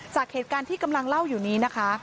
จากเหตุการณ์ที่กำลังเล่าอยู่นี้นะคะ